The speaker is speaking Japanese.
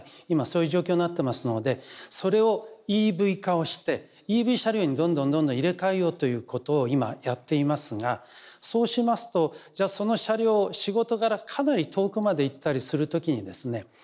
今そういう状況になってますのでそれをＥＶ化をしてＥＶ車両にどんどんどんどん入れ替えようということを今やっていますがそうしますとじゃその車両仕事柄かなり遠くまで行ったりする時にですね